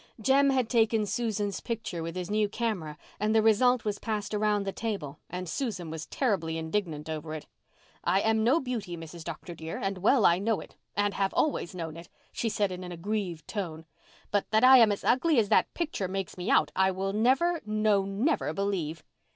Jem had taken Susan's picture with his new camera and the result was passed around the table and Susan was terribly indignant over it. "I am no beauty, Mrs. Dr. dear, and well I know it, and have always known it," she said in an aggrieved tone, "but that I am as ugly as that picture makes me out I will never, no, never believe."